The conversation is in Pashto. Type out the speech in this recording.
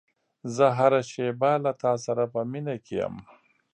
زه هره شېبه له تا سره په مینه کې یم.